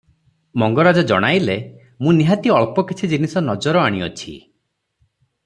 ମଙ୍ଗରାଜ ଜଣାଇଲେ, "ମୁଁ ନିହାତି ଅଳ୍ପ କିଛି ଜିନିଷ ନଜର ଆଣିଅଛି ।"